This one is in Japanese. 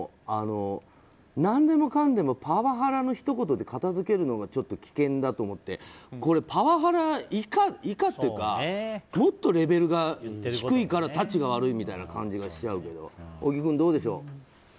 何でもかんでもパワハラのひと言で片づけるのはちょっと危険だと思って、これはパワハラ以下というかもっとレベルが低いからたちが悪いみたいな感じがしちゃうけど小木君、どうでしょう。